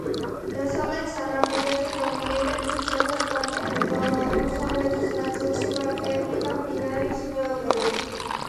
დასავლეთ სანაპიროზე დომინირებს ციცაბო ბანკები, ხოლო აღმოსავლეთ ნაწილში ვაკეები და მდინარის ხეობები.